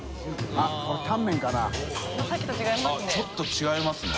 あっちょっと違いますね。